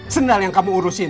senal yang kamu urusin